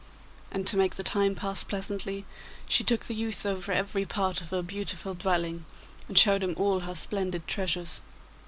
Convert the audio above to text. And to make the time pass pleasantly, she took the youth over every part of her beautiful dwelling, and showed him all her splendid treasures.